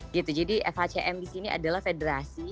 gitu jadi fhcm disini adalah federasi